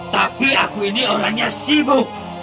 tapi aku ini orangnya sibuk